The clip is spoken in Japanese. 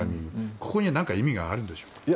ここには何か意味があるんでしょうか。